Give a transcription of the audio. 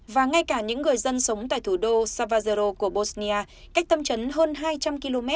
và ngay cả những người dân sống tại thủ đô savao của bosnia cách tâm chấn hơn hai trăm linh km